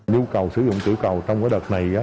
nhu cầu sử dụng tiểu cầu trong cái đợt này